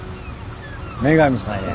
女神さんや。